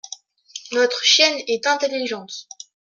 Notre chienne est intelligente.